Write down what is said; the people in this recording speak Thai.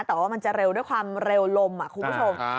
แต่ว่ามันจะเร็วด้วยความเร็วลมคุณผู้ชม